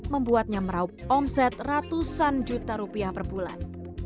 membuatnya meraup omset ratusan juta rupiah per bulan